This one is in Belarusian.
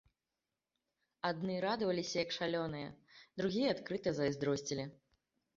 Адны радаваліся, як шалёныя, другія адкрыта зайздросцілі.